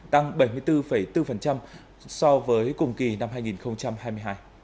tăng bảy mươi bốn bốn so với cùng kỳ năm hai nghìn hai mươi hai